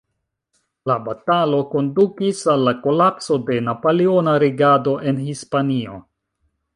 La batalo kondukis al la kolapso de napoleona regado en Hispanio.